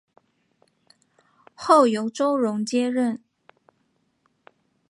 后由周荣接任。